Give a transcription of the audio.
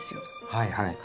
はいはい。